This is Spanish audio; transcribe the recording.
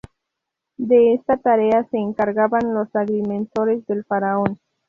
De esta tarea se encargaban los agrimensores del faraón.